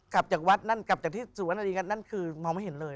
กลับจากวัดนั่นกลับจากที่สุวรรณอดีตนั่นคือมองไม่เห็นเลย